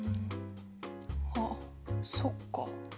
あっそっか。